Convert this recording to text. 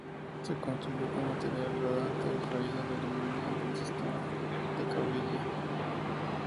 Se construyó con material rodante traído de Alemania, del sistema Decauville.